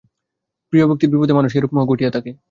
প্রিয়ব্যক্তির বিপদে মানুষের এরূপ মোহ ঘটিয়া থাকে।